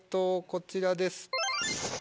こちらです。